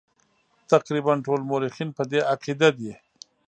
تقریبا ټول مورخین په دې عقیده دي.